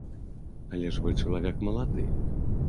Але ж вы чалавек малады.